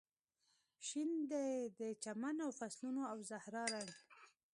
شین دی د چمن او فصلونو او زهرا رنګ